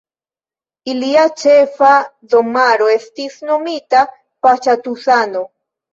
Ilia ĉefa domaro estis nomita Paĉatusano.